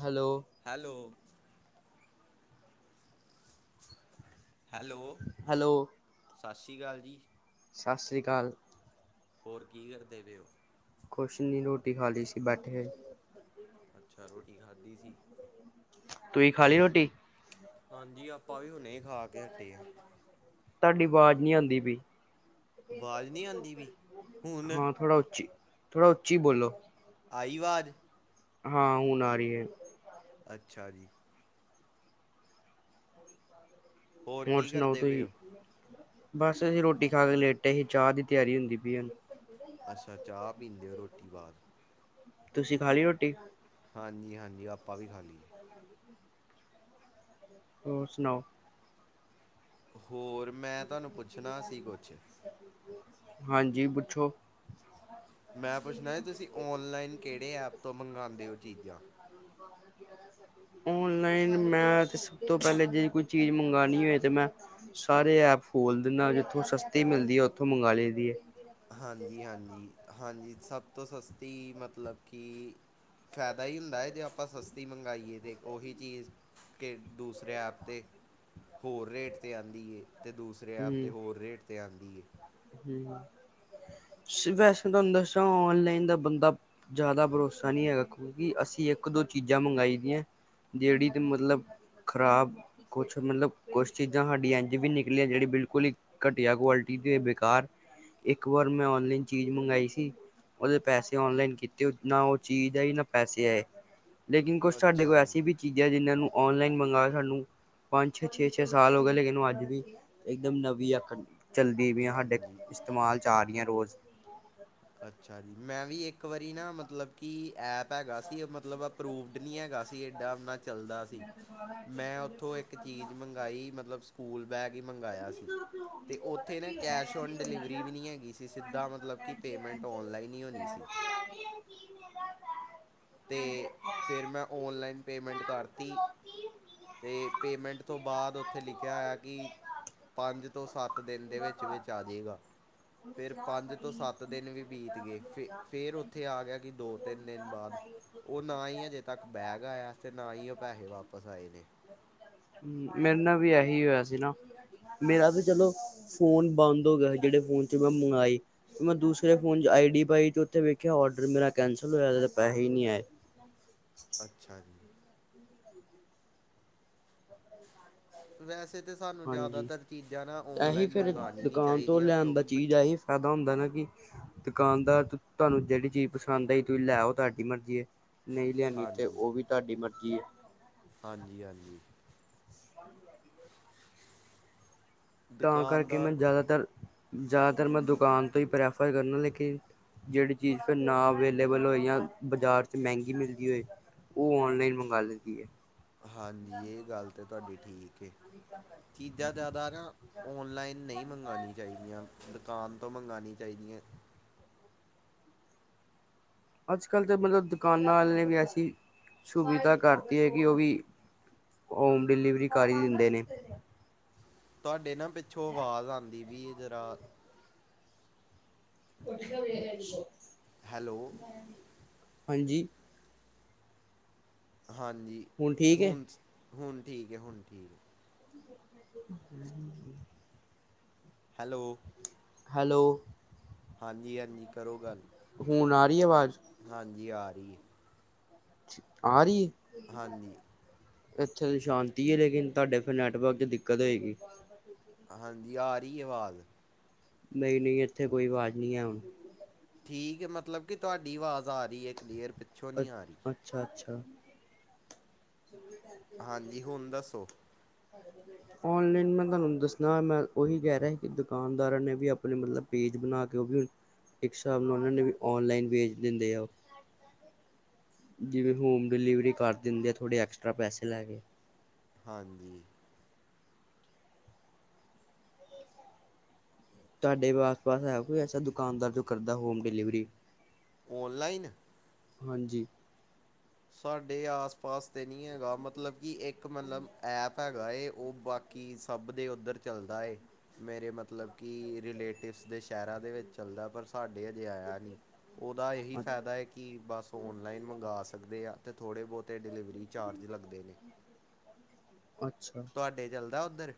Hello hello hello ਸਾਸੀ ਕਾਲ ਜੀ ਸਾਸੀ ਕਾਲ ਹੋਰ ਕੀ ਕਰਦੇ ਪਏ ਉ ਕੁਛ ਨੀ ਰੋਟੀ ਖਾ ਲਈ ਸੀ, ਬੈਠੇ ਅੱਛਾ ਰੋਟ ਰੋਟੀ ਖਾਧੀ ਸੀ ਤੁੂੰਹੀ ਖਾ ਲਈ ਰੋਟੀ ਹਾਂਜੀ ਆਪਾਂ ਵੀ ਹੁਨੇ ਈ [inaudible] ਤੁਹਾਡੀ ਵਾਜ਼ ਨਹੀਂ ਆਂਦੀ ਪਈ ਅਵਾਜ਼ ਨਹੀਂ ਆਉਂਦੀ‌ ਵੀ ਹੁਣ। ਥੋੜਾ ਉੱਚੀ ਬੋਲੋ! ਆਈ ਵਵਾਜ਼? ਹਾਂ ਹੁਣ ਆ ਰਹੀ ਏ। ਅੱਛਾ ਜੀ! ਹੋਰ ਕੀ ਸੁਣਾਓ ਕਰਦੇ ਪਏ ਤੁਸੀਂ? ਉਹ? ਬਸ ਅਸੀਂ ਰੋਟੀ ਖਾ ਕੇ ਲੇਟੇ ਹੀ ਚਾਹ ਦੀ ਤਿਆਰੀ ਹੁੰਦੀ ਪਈ। ਅੱਛਾ ਚਾਹ ਪੀਂਦੇ ਹੋ ਰੋਟੀ ਬਾਅਦ। ਤੁਸੀਂ ਖਾ ਲਈ ਰੋਟੀ? ਹਾਂਜੀ ਹਾਂਜੀ ਆਪਾਂ ਵੀ ਖਾਲ ਲਈਏ। ਹੋਰ ਸੁਣਾਓ? ਹੋਰ ਮੈਂ ਤੁਹਾਨੂੰ ਪੁੱਛਣਾ ਸੀ ਕੁਛ? ਹਾਂਜੀ ਪੁੱਛੋ। ਮੈਂ ਪੁੱਛਣਾ ਤੁਸੀਂ ਓਨਲਾਈਨ ਕਿਹੜੇ ਐਪ ਤੋਂ ਮੰਗਵਾਉਂਦੇ ਹੋ ਚੀਜ਼ਾਂ? ਓਨਲਾਈਨ ਮੈਂ ਤੇ ਸਭ ਤੋਂ ਪਹਿਲੇ ਜੇ ਕੋਈ ਚੀਜ਼ ਮੰਗਉਣੀ ਹੋਵੇ ਤੇ ਮੈਂ। ਸਾਰੇ ਐਪ ਖੋਲਦੇ ਨਾਲ ਜਿੱਥੋਂ ਸਸਤੀ ਮਿਲਦੀ ਹੈ ਉੱਥੋਂ ਮੰਗਵਾ ਲਈ ਦੀ ਏ। ਹਾਂਜੀ। ਜੀ ਹਾਂਜੀ -ਹਾਂਜੀ ਸਭ ਤੋਂ ਸਸਤੀ ਮਤਲਬ ਕਿ ਫਾਇਦਾ ਹੀ ਹੁੰਦਾ ਹੈ ਜੇ ਆਪਾਂ ਸਸਤੀ ਮੰਗਵਾਾਈਏ ਤਾਂ ਉਹੀ ਚੀਜ਼ ਕਿ ਦੂਸਰੇ ਐਪ 'ਤੇ ਹੋਰ ਰੇਟ 'ਤੇ ਆਉਂਦੀ ਏ। ਤੇ ਦੂਸਰੇ ਐਪ ਤੇ ਹੂੰ, ਹੋਰ ਰੇਟ ਤੇ ਆਉਂਦੀ ਏ। ਹੂੰ ਵੈਸੇ ਤੁਹਾਨੂੰ ਦੱਸਿਆ ਔਨਲਾਈਨ ਦਾ ਬੰਦਾ ਜ਼ਿਆਦਾ ਭਰੋਸਾ ਨਹੀਂ ਹੈਗਾ ਕਿਉਂਕਿ ਅਸੀਂ ਇੱਕ ਦੋ ਚੀਜ਼ਾਂ ਮੰਗਾਈ ਦੀਆਂ ਜਿਹੜੀ ਤੇ ਮਤਲਬ ਖ਼ਰਾਬ ਕੁਛ ਮਤਲਬ ਕੁਛ ਚੀਜ਼ਾਂ ਸਾਡੀ ਇੰਜ ਵੀ ਨ। ਜਿਹੜੀ ਬਿਲਕੁਲ ਘਟੀਆ ਕੁਆਲਿਟੀ ਦੀ ਬੇਕਾਰ ਇੱਕ ਵਾਰ ਮੈਂ ਨਲਾਈਨ ਚੀਜ਼ ਮੰਗਈ ਸੀ ਉਹਦੇ ਪੈਸੇ ਨਲਾਈਨ ਕੀਤੇ ਨਾ ਉਹ ਚੀਜ਼ ਆਈ ਨਾ ਪੈਸੇ ਆਏ। ਲੇਕਿਨ ਕੁਛ ਸਾਡੇ ਅੱਛਾ ਕੋਲ ਜੀ ਐਸੀ ਵੀ ਚੀਜ਼ ਹੈ ਜਿਹਨ੍ਹਾਂ ਨੂੰ, ਔਨਲਾਈਨ ਮੰਗਵਾ ਸਾਨੂੰ ਪੰਜ ਛੇ ਛੇ ਛੇ ਸਾਲ ਹੋ ਗਏ ਲੇਕਿਨ ਅੱਜ ਵੀ, ਇੱਕਦਮ ਨਵੀ ਆ ਚਲਦੀ ਪ ਆ ਸਾਡੇ ਹਾਂਜੀ ਇਸਤੇਮਾਲ ' ਆ ਰਹੀ ਹ ਰੋਜ਼। ਠ ਅੱਛਾ ਜੀ! ਮੈਂ ਵੀ ਇੱਕ ਵਾਰੀ ਨਾ ਮਤਲਬ ਕਿ ਐਪ ਹੈਗਾ ਸੀ। ਮਤਲਬ ਅਰੂਵਡ ਨਹੀਂ ਹੈਗਾਸੀ। [inaudible] ਚੱਲਦਾ ਸੀ ਮੈਂ ਉੱਥੋਂ ਇੱਕ ਚੀਜ਼ ਮੰਗਾਈ ਮਤਲਬ ਸਕੂਲ ਬੈਗ ਹੀ ਮੰਗਵਾਆ ਸੀ ਅਤੇ ਉੱਥੇ ਨਾ ਕੈਸ਼ ਔਨ ਡਿਲੀਵਰੀ ਵੀ ਨਹੀਂ ਹੈਗੀ ਸੀ ਸਿੱਧਾ ਮਤਲਬ ਕਿ ਜਾਣ ਪੇਮੈਂਟ ਕੇ ਔਨਲਾਈਨ ਹੀ ਹੋਣੀ ਪੈਰ ਸੀ ਰੱਖਿਆ ਗਿਆ। ਤੇ ਫਿਰ ਮੈਂ ਓਨਲਾਈਨ ਪੇਮੈਂਟ ਕਰ। ਤੇ ਪੇਮੈਂਟ ਤੋਂ ਬਾਅਦ ਉੱਥੇ ਲਿਖਿਆ ਹੋਇਆ ਕਿ ਪੰਜ ਤੋਂ ਸੱਤ ਦਿਨ ਦੇ ਵਿੱਚ ਵਿਚ ਆ ਜਾਏਗਾ ਫਿਰ ਪੰਜ ਤੋਂ ਸੱਤ ਦਿਨ ਵੀ ਬੀਤ ਗਏ ਫ ਫੇਿਰ ਉੱਥੇ ਆ ਗਿਆ ਕਿ ਦੋ ਤਿੰਨ ਦਿਨ ਬਾਅਦ। ਉਹ ਨਾ ਹੀ ਅਜੇ ਤੱਕ ਬੈਗ ਆਇਆ ਤੇ ਨਾ ਪੈਸੇ ਵਾਪਿਸ ਆਏ ਨੇ। ਹਮ ਮੇਰੇ ਨਾਲ ਵੀ ਇਹੀ ਹੋਇਆ ਸੀ ਨਾ ਮੇਰਾ ਵੀ ਚਲੋ ਫੋਨ ਬੰਦ ਹੋ ਗਿਆ ਜਿਹੜੇ ਫੋਨ ਚ ਮੈਂ ਮੰਗਵਾਈ ਮੈਂ ਦੂਸਰੇ ਫੋਨ ਚ ਆਈ ਡੀ ਪਾਈ ਤੇ ਉੱਥੇ ਵੇਖਿਆ ਡਰ ਮੇਰਾ ਕੈਂਸਲ ਹੋਇਆ ਪੈਸੇ ਹੀ ਨਹੀਂੀ ਆਏ ਅੱਛਾ ਜੀ ਵੈਸੇ ਤਾਂ ਸਾਨੂੰ ਹਾਂਜੀ ਜ਼ਿਆਦਾਤਰ ਚੀਜ਼ਾਂ ਨਾ ਇਹੀ ਔਨਲਾਈਨ ਫਿਰ ਮੰਗਵਾਉਣੀ ਨਹੀਂ ਦੁਕਾਨ ਤੋਂ ਚਾਹੀਦੀਆਂ ਲੈਣ ਦਾ ਕਿਉਂਕਿ ਬ ਚੀਜ਼ ਇਹੀ ਫਾਇਦਾ ਹੁੰਦਾ ਨਾ ਕਿ ਦੁਕਾਨਦਾਰ ਤੁਹਾਨੂੰ ਜਿਹੜੀ ਚੀਜ਼ ਪਸੰਦ ਆਈ ਤੁਸੀਂ ਲੈ ਤੁਹਾਡੀ ਮਰਜ਼ੀ ਨਹੀਂ ਲਿਆਦੀ ਤੇ ਹਾਂਜੀ ਉਹ ਵੀ ਤੁਹਾਡੀ ਮ ਕੀ ਹਾਂਜੀ ਹਾਂਜੀ ਹ ਤਾਂ ਕਰਕੇ ਮੈਂ ਦੁਕਾਨਦਾਰ ਜ਼ਿਆਦਾਤਰ ਜ਼ਿਆਦਾਤਰ ਮੈਂ ਦੁਕਾਨ ਤੋਂ ਹੀ ਪ੍ਰੈਫਰ ਕਰਨਾ ਲੇਕਿਨ ਜਿਹੜੀ ਚੀਜ਼ ਫਿਰ ਨਾ ਅਵੇਲੇਬਲ ਹੋਈ ਜਾਂ ਬਜ਼ਾਰ ' ਮਹਿੰਗੀ ਮਿਲਦੀ ਹੋਏ ਉਹ ਔਨਲਾਈਨ ਮੰਗਵਾ ਲੈਂਦੀ ਹੈ ਹਾਂਜੀ ਇਹ ਗੱਲ ਤਾਂ ਤੁਹਾਡੀ ਠੀਕ ਚੀਜ਼ਾਂ ਜ਼ਿਆਦਾ ਨਾ ਔਨਲਾਈਨ ਨਹੀਂ ਮੰਗਉਣੀ ਚਾਹੀਦੀਆਂ ਦੁਕਾਨ ਤੋਂ ਮੰਗਉਣੀ ਚਾਹੀਦੀਆਂ ਅੱਜ ਕੱਲ ਤਾਂ ਮਤਲੱਬ ਦੁਕਾਨਾਂ ਵਾਲ ਨੇ ਵੀ ਐਸੀ ਸੁਵਿੱਧਾ ਕਰਤੀ ਹੈ ਕਿ ਉਹ ਵੀ ਹੋਮ ਡਿਲੀਵਰੀ ਕਰ ਹੀ ਦਿੰਦੇ ਨੇ ਤੁਹਾਡੇ ਨਾ ਪਿੱਛੋਂ ਆਵਾਜ਼ ਆਉਂਦੀ ਵੀ ਜਰਾ ਉੱਠ ਕੇ ਵੇਖ ਆ ਹੈਲੋ ਹਾਂਜੀ ਹਾਂਜੀ ਠੀਕ ਹੈ ਹੁਣ ਹੁਣ ਠੀਕ ਹੈ ਹੁਣ ਠੀਕ ਹੈ ਹਮ ਹੈਲੋ ਹੈਲੋ ਹਾਂਜੀ ਹਾਂਜੀ ਕਰੋ ਗੱਲ ਹੁਣ ਆ ਰਹੀ ਆਵਾਜ਼ ਹਾਂਜੀ ਆ ਰਹੀ ਹੈ ਆ ਰਹੀ [unintelligible] ਹਾਂਜੀ ਇੱਥੇ ਤਾਂ ਸ਼ਾਂਤੀ ਹੈ ਲੇਕਿਨ ਤੁਹਾਡੇ ਫਿਰ ਨੈਟਵਰਕ ਚ ਦਿੱਕਤ ਹੋਏਗੀ ਹਾਂਜੀ ਆ ਰਹੀ ਆਵਾਜ਼ ਨਹੀਂ ਨਹੀਂ ਇੱਥੇ ਕੋਈ ਆਵਾਜ਼ ਨਹੀਂ ਹੈ ਹੁਣ ਠੀਕ ਹੈ ਮਤਲਬ ਕਿ ਤੁਹਾਡੀ ਆਵਾਜ਼ ਆ ਰਹੀ ਹੈ ਕਲੀਅਰ ਪਿੱਛੋਂ ਨਹੀਂ ਆ ਰਹੀ ਅੱ ਅੱਛਾ ਅੱਛਾ [unintelligible] ਸ਼ੁਕਰੀ ਹਾਂਜੀ ਹੁਣ ਦੱਸੋ ਓਨਲਾਈਨ ਮੈਂ ਤੁਹਾਨੂੰ ਦੱਸਣਾ ਮੈਂ ਓਹੀ ਕਹਿ ਰਿਹਾ ਸੀ ਕਿ ਦੁਕਾਨਦਾਰਾਂ ਨੇ ਵੀ ਆਪਣੇ ਮਤਲਬ ਪੇਜ ਬਣਾ ਕੇ ਇੱਕ ਹਿਸਾਬ ਨਾਲ ਉਹ ਨੇ ਵੀ ਆਨਲਾਈਨ ਵੇਜ ਦਿੰਦੇ ਆ ਉਹ ਜਿਵੇਂ ਹੋਮ ਡਿਲੀਵਰੀ ਕਰ ਦਿੰਦੇ ਆ ਥੋੜੇ ਐਕਸਟਰਾ ਪੈਸੇ ਲੈ ਕੇ ਹਾਂਜੀ ਤੁਹਾਡੇ ਆਸ ਪਾਸ ਹੈ ਕੋਈ ਐਸਾ ਦੁਕਾਨਦਾਰ ਜੋ ਕਰਦਾ ਹੋਮ ਡਿਲੀਵਰੀ ਔਨਲਾਈਨ ਹਾਂਜੀ। ਸਾਡੇ ਆਸ ਪਾਸ ਤੇ ਨਹੀਂ ਹੈਗਾ ਮਤਲਬ ਕਿ ਇੱਕ ਮਤਲਬ ਐਪ ਹੈਗਾ ਏ ਉਹ ਬਾਕੀ ਸਭ ਦੇ ਉੱਧਰ ਚੱਲਦਾ ਏ ਮੇਰੇ ਮਤਲਬ ਕਿ ਰਿਲੇਟਿਵਸ ਦੇ ਸ਼ਹਿਰਾਂ ਦੇ ਵਿੱਚ ਚੱਲਦਾ ਪਰ ਸਾਡੇ ਇ ਨ ਉਹਦਾ ਇਹੀ ਅ- ਫਾਇਦਾ ਹੈ ਕਿ ਬਸ ਓਨਲਾਈਨ ਮੰਗਵਾ ਸਕ ਸਕਦੇ ਆ ਅਤੇ ਥੋੜੇ ਬਹੁਤੇ ਡਿਲੀਵਰੀ ਚਾਰਜ ਲੱਗਦੇ ਨੇ ਅੱਛਾ ਤੁਹਾਡੇ ਚੱਲਦਾ ਉੱਧਰ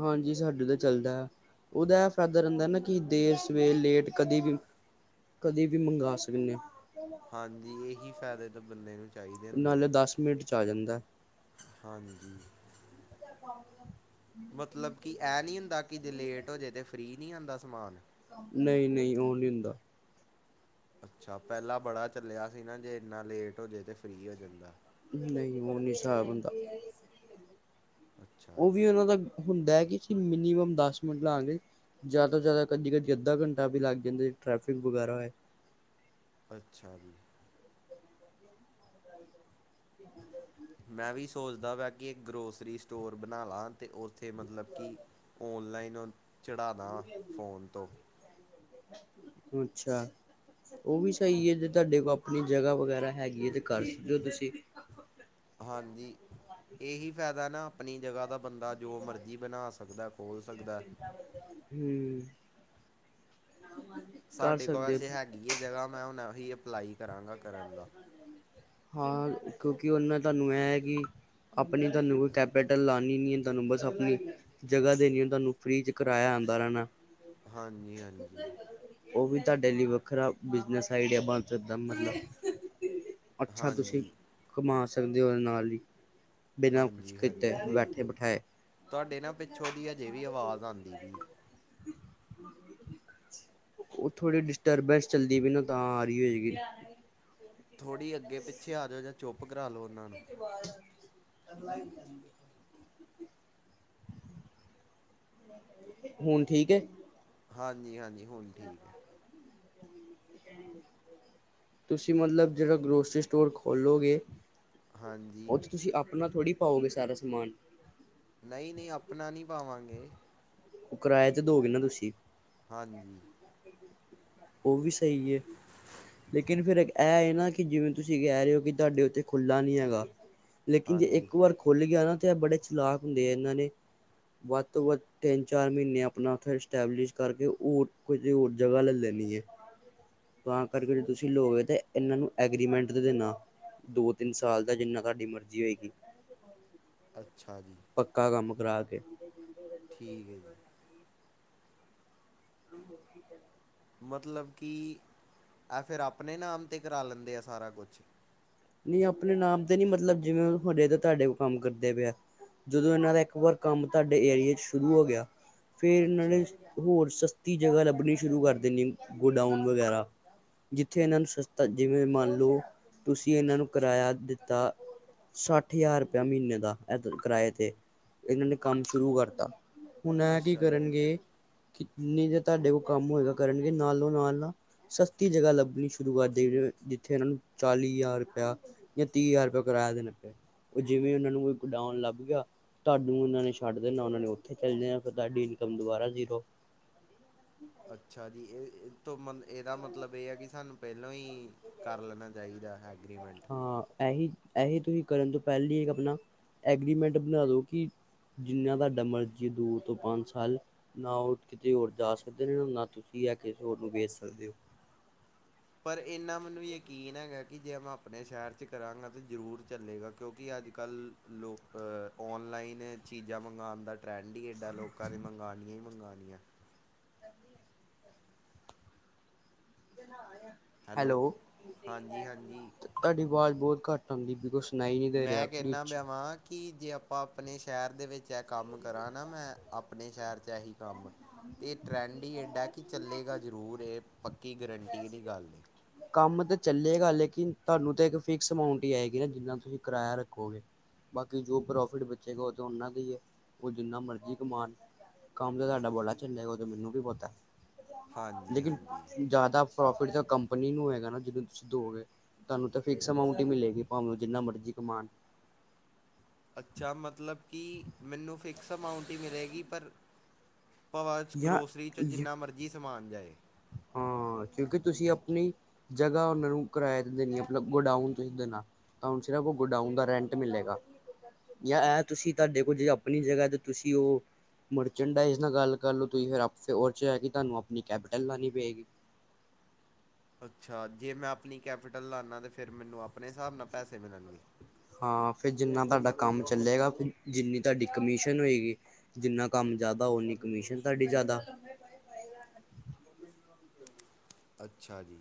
ਹਾਂਜੀ ਸਾਡੇ ਤਾਂ ਚੱਲਦਾ ਹੈ, ਉਹਦਾ ਇਹ ਫਾਇਦਾ ਰਹਿੰਦਾ ਨਾ ਕਿ ਦੇਰ ਸਵੇਰ ਲੇਟ ਕਦੇ ਵੀ ਕਦੇ ਵੀ ਮੰਗਵਾ ਸਕਣੇ ਆ। ਹਾਂਜੀ ਇਹੀ। ਫੈ ਦੇ ਤਾਂ ਬੰਦੇ ਨੂੰ ਚਾਹੀਦੇ ਹੁੰਦੇ ਨੇ ਨਾਲੇ ਦਸ ਮਿੰਟ ਚ ਆ ਜਾਂਦਾ। ਹਾਂਜੀ। ਮਤਲਬ ਕਿ ਇਹ ਨੀ ਹੁੰਦਾ ਕਿ ਜੇ ਲੇਟ ਹੋ ਜਾਵੇ ਤੇ ਫ੍ਰਰੀ ਨਹੀਂ ਆਉਂਦਾ ਸਮਾਨ ਨਹੀਂ, ਨਹੀਂ ਉਹ ਨਹੀਂ ਹੁੰਦਾ। ਅੱਛਾ ਪਹਿਲਾਂ ਬੜਾ ਚੱਲਿਆ ਸੀ ਨਾ, ਜੇ ਇੰਨਾ ਲੇਟ ਹੋ ਜਾੇ ਤੇ ਫਰੀ ਹੋ ਜਾਂਦਾ। ਨਹੀਂ ਓ ਨੀ ਹਿਸਾਬ ਹੁੰਦਾ। ਅੱਛਾ ਉਹ ਜੀ ਵੀ ਉਹਨਾਂ ਦਾ ਹੁੰਦਾ ਹੈ ਕਿ ਅਸੀਂ ਮਿਨੀਮਮ ਦਸ ਮਿੰਟ ਲਾਵਾਂਗੇ ਜ਼ਿਆਦਾ ਤੋਂ ਜ਼ਿਆਦਾ ਕਦੀ, ਕਦੀ ਅੱਧਾ ਘੰਟਾ ਵੀ ਲੱਗ ਜਾਂਦਾ ਟ੍ਰੈਫਿਕ ਵਗੈਰਾ ਹੋਏ। ਅੱਛਾ ਜੀ। [inaudible] ਮੈਂ ਵੀ ਸੋਚਦਾ ਵਾ ਕਿ ਇੱਕ ਗਰੋਸਰੀ ਸਟੋਰ ਬਣਾ ਲਾ। ਉੱਥੇ ਮਤਲਬ ਕਿ ਔਨਲਾਈਨ [inaudible] ਚੜ੍ਹਾ ਦਵਾ ਫ਼ੋਨ ਤੋਂ ਅੱਛਾ ਉਹ ਵੀ ਸਹੀ ਹੈ, ਜੇ ਤੁਹਾਡੇ ਕੋਲ ਆਪਣੀ ਜਗ੍ਹਾ ਵਗੈਰਾ ਹੈਗੀ ਹੈ ਤੇ ਕਰ ਸਕਦੇਓ ਤੁਸੀਂ ਹਾਂਜੀ ਇਹੀ ਫਾਇਦਾ ਨਾ ਆਪਣੀ ਜਗ੍ਹਾ ਦਾ ਬੰਦਾ ਜੋ ਮਰਜੀ ਬਣਾ ਸਕਦਾ। ਖੋਲ੍ਹ ਸਕਦਾ ਹਮ। ਸਾਡੇ ਕੋਲ ਵੈਸੇ ਹੋ ਹੈਗੀ ਹੈ ਜਗ੍ਹਾ ਮੈਂ ਹੁਣ ਹੀ ਅਪਲਾਈ ਕਰਾਂਗਾ ਕਰਾ ਹਾਂ ਕਿਉਂਕਿ ਉਹਨਾਂ ਤੁਹਾਨੂੰ ਇਹ ਹੈ, ਕਿ ਆਪਣੀ ਤੁਹਾਨੂੰ ਕੋਈ ਕੈਪੀਟਲ ਲਾਉਂਣੀ ਨਹੀਂ ਹੈ, ਤੁਹਾਨੂੰ ਬਸ ਆਪਣੀ ਜਗ੍ਹਾ ਦੇਣੀ ਹੈ ਤੁਹਾਨੂੰ ਫ੍ਰਰੀ 'ਚ ਕਰਇਆ ਆਉਂਦਾ ਰਹਿਣਾ। ਹਾਂਜੀ ਹਾਂਜੀ। ਉਹ ਵੀ ਤੁਹਾਡੇ ਲਈ ਵੱਖਰਾ ਬਿਜਨਸ ਸਾਇਡ ਬਣ ਸਕਦਾ ਮਤਲਬ ਅੱਛਾ ਤੁਸੀ ਹਾਂਜੀ ਕਮਾ ਸ ਸਕਦੇ ਔਦੇ ਨਾਲ ਈ ਹਾਂਜੀ ਹਾਂਜੀ। ਤੁਹਾਡੇ ਨਾ ਪਿੱਛੋਂ ਦੀ ਹਜੇ ਵੀ ਆਵਾਜ਼ ਆਉਂਦੀ ਪਈ। ਉਹ ਥੋੜੀ ਡਿਸਟਰਬੈਂਸ ਚੱਲਦੀ ਪਈ ਨਾ ਤਾਂ ਆ ਰਹੀ ਹੋਏਗੀ। ਥੋੜ੍ਹੀ ਅੱਗੇ ਪਿੱਛੇ ਆ ਜਾਓ ਜਾਂ ਚੁੱਪ ਕਰਾ ਲਓ ਉਹਨਾਂ ਨੂੰ। ਗੱਲਾਂ ਦੀ ਆਓਂਦੀ ਹੁਣ ਠੀਕ ਏ। ਹਾਂਜੀ ਹਾਂਜੀ। ਹੁਣ ਠੀਕ ਹੈ [inaudible] ਤੁਸੀਂ ਮਤਲਬ ਜਿਹੜਾ ਗਰੋਸਰੀ ਸਟੋਰ ਖੋਲੋਗੇ ਹਾਂਜੀ। ਅਪਨਾ ਥੋੜ੍ਹੀ ਪਾਓਗੇ ਸਾਰਾ ਸਮਾਨ ਨਹੀਂ ਨਹੀਂ ਅਪਣਾ ਨਹੀਂ ਪਾਵਾਂਗੇ ਉਹ ਕਿਰਾਏ ਤੇ ਦੋਗੇ ਨਾ ਤੁਸੀ ਹਾਂਜੀ। ਉਹ ਵੀ ਸਹੀ ਹੈ ਲੇਕਿਨ ਫੇਰ ਇਹ ਹੈ ਨਾ, ਕਿ ਜਿਵੇਂ ਤੁਸੀਂ ਕਹਿ ਰਹੇ ਹੋ ਕਿ ਤੁਹਾਡੇ ਉੱਥੇ ਖੁੱਲ੍ਹਾ ਨਹੀਂ ਹੈਗਾ। ਲੇਕਿਨ ਜੇ ਹਾਂਜੀ ਇੱਕ ਵਾਰ ਖੁਲ ਗਿਆ ਨਾ ਉੱਥੇ ਬੜੇ ਚਲਾਕ ਹੁੰਦੇ ਆ। ਇਹਨਾਂ ਨੇ ਵੱਧ ਤੋਂ ਵੱਧ ਤਿੰਨ ਚਾਰ ਮਹੀਨੇ ਅਪਣਾ ਉੱਥੇ ਇਸਟੈਬਲਿਸ਼ ਕਰਕੇ ਔਹ ਕੁਝ ਹੋਰ ਜਗ੍ਹਾ ਲੈ ਲੇ ਤਾਂ ਕਰਕੇ ਜੇ ਤੁਸੀਂ ਲੋ ਤਾਂ ਇਹਨਾਂ ਨੂੰ ਐਗਰੀਮੈਂਟ ਤੇ ਦੇਣਾ। ਦੋ, ਤਿੰਨ ਸਾਲ ਦਾ ਜਿੰਨਾ ਤੁਹਾਡੀ ਮਰਜ਼ੀ ਹੋਏਗੀ। ਅੱਛਾ। ਜੀ ਪੱਕਾ ਕੰਮ ਕਰਾ ਕੇ ਠੀਕ ਹੈ ਜੀ। ਠੀਕ ਏ, ਠੀਕ ਏ। ਮਤਲਬ ਕਿ ਇਹ ਫੇਰ ਅਪਣੇ ਨਾਮ ਤੇ ਕਰਾ ਲੈਂਦੇ ਆ ਸਾਰਾ ਕੁਛ। ਨਹੀਂ ਅਪਣੇ ਨਾਮ ਤੇ ਨੀ ਮਤਲਬ ਜਿਵੇਂ ਹਜੇ ਤਾਂ ਤੁਹਾਡੇ ਕੋਲ ਕੰਮ ਕਰਦੇ ਪਏਆ, ਜਦੋਂ ਇਹਨਾਂ ਦਾ ਇੱਕ ਵਾਰ ਕੰਮ ਤੁਹਾਡੇ ਏਰੀਏ ਚ ਸ਼ੁਰੂ ਹੋ ਗਿਆ ਫੇਰ ਇਹਨਾਂ ਅੱਛਾ ਨੇ ਹੋਰ ਸੱਸਤੇ ਸਤੀ ਜਗ੍ਹਾ ਲੱਭਣੀ ਸ਼ੁਰੂ ਕਰ ਦੇਣੀ ਗੋਡਾਊਨ ਵਗੈਰਾ ਜਿੱਥੇ ਇਹਨਾਂ ਨੂੰ ਸਸਤਾ ਜਿਵੇਂ ਮੰਨ ਲਓ ਤੁਸੀ ਕਿ ਇਹਨਾਂ ਨੂੰ ਕਿਰਾਇਆ ਦਿੱਤਾ ਸੱਠ ਹਜ਼ਾਰ ਰੁਪਇਆ ਮਹੀਨੇ ਦਾ ਇਹਦੇ ਕਿਰਾਏ ਤੇ ਇਹਨਾਂ ਨੇ ਕੰਮ ਅੱਛਾ ਸ਼ੁਰੂ ਕਰਤਾ ਹੁਣ ਇਹ ਕੀ ਅੱਛਾ ਜੀ ਕਰਨਗੇ ਜਿਨੀ ਦੇਰ ਤੁਹਾਡੇ ਕੋਲ ਕੰਮ ਹੋਏਗਾ ਕਰਨਗੇ ਨਾਲੋਂ ਨਾਲ ਨਾ ਸਸਤੀ ਜਗ੍ਹਾ ਲੱਭਣੀ ਸ਼ੁਰੂ ਕਰ ਦੇਣਗੇ ਜਿੱਥੇ ਇਹਨਾਂ ਨੂੰ ਚਾਲੀ ਹਜ਼ਾਰ ਜਾਂ ਤੀਹ ਹਜ਼ਾਰ ਰੁਪਿਆ ਕਿਰਾਯਾ ਦੇਣਾ ਪਯਾ। ਉਹ ਜਿਵੇਂ ਉਹਨਾਂ ਨੂੰ ਕੋਈ ਗੋਡਾਨ ਲੱਭ ਗਿਆ, ਤੁਹਾਨੂੰ ਉਹਨਾਂ ਨੇ ਛੱਡ ਦੇਣਾ ਉਹਨਾਂ ਨੇ ਉੱਥੇ ਚੱਲੇ ਜਾਣਾ ਫੇਰ ਤੁਹਾਡੀ ਇਨਕਮ ਦੁਬਾਰਾ ਜ਼ੀਰੋ। ਅੱਛਾ ਜੀ ਇਹ ਤੋਂ ਮ ਇਹਦਾ ਮਤਲਬ ਇਹ ਹੈ ਕਿ ਸਾਨੂੰ ਪਹਿਲੋਂ ਹੀ ਕਰ ਲੈਣਾ ਚਾਹੀਦਾ ਹੈ ਐਗਰੀਮੈਂਟ ਹਾਂ ਏਹੀ ਏਹੀ ਤੁਸੀਂ ਕਰਨ ਤੋਂ ਪਹਿਲੀ ਇੱਕ ਅਪਨਾ ਐਗਰੀਮੈਂਟ ਬਨਾ ਦੋ ਕਿ ਜਿੰਨਾ ਤੁਆਡਾ ਮਰਜ਼ੀ ਹੈ ਦੂ ਤੋਂ ਪੰਜ ਸਾਲ ਨਾ ਉਹ ਕਿਤੇ ਹੋਰ ਜਾ ਸਕਦੇ ਨੇ ਨਾ ਤੁਸੀਂ ਇਹ ਕਿਸੇ ਹੋਰ ਨੂੰ ਵੇਚ ਸਕਦੇ ਹੋ ਪਰ ਏਨਾ ਮੈਨ ਵੀ ਯਕੀਨ ਹੈਗਾ ਕਿ ਜੇ ਮੈਂ ਆਪਨੇ ਸ਼ਹਿਰ ਚ ਕਰਾਂਗਾ ਤਾਂ ਜ਼ਰੂਰ ਚੱਲੇਗਾ ਕਿਉਂਕਿ ਅੱਜ ਕੱਲ ਲੋਕ ਓਨਲਾਈਨ ਚੀਜ਼ਾਂ ਮੰਗਾਣ ਦਾ ਟ੍ਰੈਂਡ ਹਡੀ ਏਡਾ ਲੋਕਾਂ ਨੇ ਮੰਗਾਲਨੀਆਂ ਹੀ ਮੰਗਾਨੀਆਂ ਵਧੀਆ ਦੇ ਨਾਂਹ ਆ ਹੈਲੋ ਹਾਂਜੀ ਹਾਂਜੀ ਤੁਹਾਡੀ ਆਵਾਜ਼ ਬਹੁਤ ਘੱਟ ਆਂਦੀ ਬੀ ਮੈਂ ਕਹਿੰਨਾ ਪਿਆ ਵਾਂ ਕਿ ਜੇ ਆਪਾਂ ਅਪਨੇ ਸ਼ਹਿਰ ਦੇ ਵਿੱਚ ਇਹ ਕੰਮ ਕਰਾਂ ਨਾ ਮੈਂ ਅਪਨੇ ਸ਼ਹਿਰ ਚ ਏਹੀ ਕੰਮ ਤੇ ਟਰੈਂਡ ਈ ਏਡਾ ਕਿ ਚੱਲੇਗਾ ਜ਼ਰੂਰ ਏ ਪੱਕੀ ਗਰੰਟੀ ਵਾਲੀ ਗੱਲ ਤਾਨੂੰ ਤੇ ਇੱਕ ਫਿਕਸ ਅਮਾਊਂਟ ਈ ਆਏਗੀ ਨਾ ਜਿੰਨਾ ਤੁਸੀਂ ਕਿਰਾਇਆ ਰੱਖੋਗੇ, ਬਾਕੀ ਜੋ ਪ੍ਰੋਫਿਟ ਬਚੇਗਾ ਉਹ ਤਾਂ ਉਹਨਾਂ ਕੀ ਏ ਉਹ ਜਿੰਨਾ ਮਰਜ਼ੀ ਕਮਾਨ ਕੰਮ ਤੇ ਤੁਹਾਡਾ ਬੜਾ ਚਲੇਗਾ ਉਹ ਤੇ ਮੈਨੂੰ ਵੀ ਪਤੇ ਹਾਂਜੀ ਲੇਕਿਨ ਹਾਂਜੀ ਜ਼ਿਆਦਾ ਪ੍ਰੋਫਿਟ ਤਾਂ ਕੰਪਨੀ ਨੂੰ ਹੈਗਾ ਨਾ ਜਿਹਨੂੰ ਤੁਸੀਂ ਦੋ ਗੇ ਤੁਹਾਨੂੰ ਤਾਂ ਫਿਕਸ ਅਮਾਊਂਟ ਈ ਮਿਲੇਗੀ ਭਾਵੇਂ ਜਿੰਨਾ ਮਰਜ਼ੀ ਕਮਾਨ ਅੱਛਾ ਮਤਲਬ ਕਿ ਮੈਨੂੰ ਫਿਕਸ ਅਮਾਊਂਟ ਈ ਮਿਲੇਗੀ ਪਰ ਭਵਾ ਜਾਂ ਗਰੋਸਰੀ ਚੋ ਜਿੰਨਾ ਮਰਜ਼ੀ ਸਮਾਨ ਜਾਏ ਹਾਂ, ਕਿਉਂਕਿ ਤੁਸੀਂ ਅਪਨੀ ਜਗ੍ਹਾ ਉਹਨਾਂ ਨੂੰ ਕਿਰਾਇਆ ਤੇ ਦੇਨੀ ਆ ਮਤਲਬ ਗੋਡਾਊਨ ਤੁਸੀਂ ਦੇਨਾ ਤਾਂ ਹੁਨ ਸਿਰਫ ਉਹ ਗੋਡਾਊਨ ਦਾ ਰੈਂਟ ਮਿਲੇਗਾ ਯਾ ਇਹ ਤੁਸੀਂ ਤੁਹਾਡੇ ਕੋਲ ਜੇ ਅਪਨੀ ਜਗ੍ਹਾ ਤੇ ਤੁਸੀਂ ਉਹ ਮਰਚਨ ਡਾਈਜ਼ ਨਾਲ ਗੱਲ ਕਰ ਲਓ ਤੁਸੀਂ ਫਿਰ [unintelligible] ਤੁਹਾਨੂੰ ਆਪਣੀ ਕੈ [unintelligible] ਨੀ ਪੇ ਗੀ ਅੱਛਾ ਜੇ ਮੈਂ ਅਪਨੀ ਕੈਪੀਟਲ ਲਾਨਾ ਤੇ ਫਿਰ ਮੈਨੂੰ ਆਪਨੇ ਹਿਸਾਬ ਨਾਲ ਪੈਸੇ ਮਿਲਨਗੇ ਹਾਂ ਫਿਰ ਜਿੰਨਾ ਤੁਹਾਡਾ ਕੰਮ ਚੱਲੇਗਾ ਜਿੰਨੀ ਤੁਹਾਡੀ ਕਮਿਸ਼ਨ ਹੋਏਗੀ ਜਿੰਨਾ ਕੰਮ ਜ਼ਿਆਦਾ ਓਨੀ ਕਮਿਸ਼ਨ ਤੁਹਾਡੀ ਜ਼ਿਆਦਾ ਅੱਛਾ ਜੀ